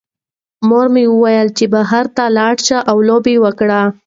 مور مې وویل چې بهر لاړ شه او لوبه وکړه.